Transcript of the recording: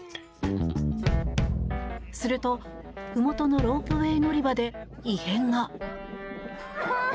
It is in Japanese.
するとふもとのロープウェー乗り場で異変が。